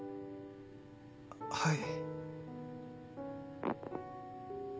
はい。